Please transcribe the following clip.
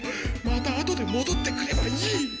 また後でもどってくればいい。